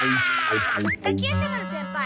滝夜叉丸先輩。